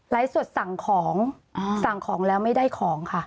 สดสั่งของสั่งของแล้วไม่ได้ของค่ะ